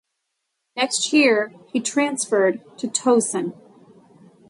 The next year he transferred to Towson.